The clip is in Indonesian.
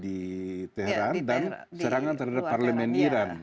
di terang dan serangan terhadap parlemen iran